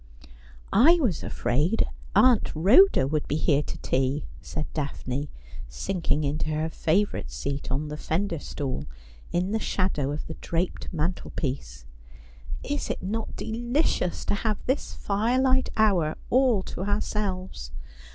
' I was afraid Aunt Rhoda would be here to tea,' said Daphne, sinking into her favourite seat on the fender stool, in the shadow of the draped mantel piece. ' Is it not delicious to have this firelight hour all to ourselves